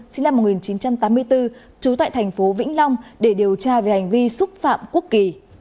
sinh năm một nghìn chín trăm tám mươi bốn trú tại thành phố vĩnh long để điều tra về hành vi xúc phạm quốc kỳ